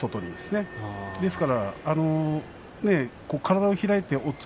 ですから体を開いて押っつ